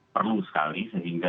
perlu sekali sehingga